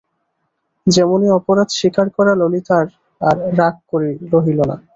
যেমনি অপরাধ স্বীকার করা ললিতার আর রাগ রহিল না।